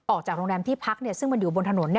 ออกจากโรงแรมที่พักซึ่งมันอยู่บนถนน